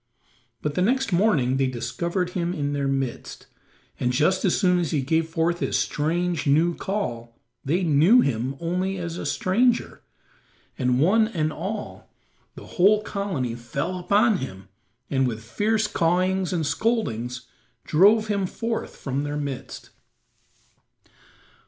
But the next morning they discovered him in their midst, and just as soon as he gave forth his strange, new call they knew him only as a stranger, and one and all the whole colony fell upon him and, with fierce cawings and scoldings, drove him forth from their midst.